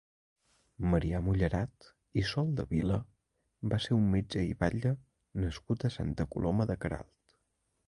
Marià Mullerat i Soldevila va ser un metge i batlle nascut a Santa Coloma de Queralt.